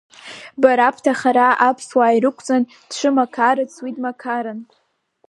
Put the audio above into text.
Бара бҭахара аԥсуаа ирықәҵан, дшымақарыц уи дмақарны…